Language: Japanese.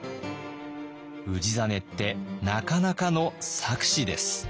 氏真ってなかなかの策士です。